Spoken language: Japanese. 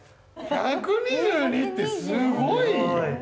１２２ってすごいよ！